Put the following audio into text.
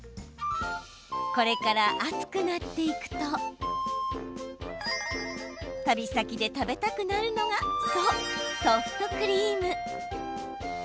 これから暑くなっていくと旅先で食べたくなるのがそう、ソフトクリーム。